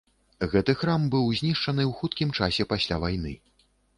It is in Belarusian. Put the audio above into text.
Гэты храм быў знішчаны ў хуткім часе пасля вайны.